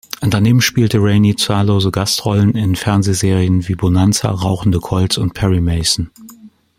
Daneben spielte Rainey zahllose Gastrollen in Fernsehserien wie "Bonanza", "Rauchende Colts" und "Perry Mason".